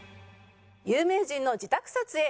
有名人の自宅撮影ＯＫか？